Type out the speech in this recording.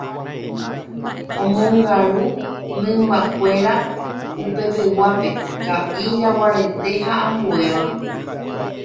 omongaru mymbakuéra upepeguápe, ka'i, jaguarete ha ambuéva.